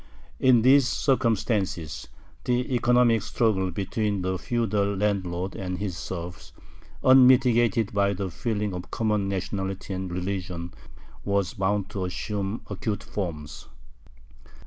In these circumstances, the economic struggle between the feudal landlord and his serfs, unmitigated by the feeling of common nationality and religion, was bound to assume acute forms.